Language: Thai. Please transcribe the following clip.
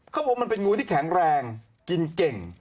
เขาบอกว่ามันเป็นงูที่แข็งแรงกินเก่ง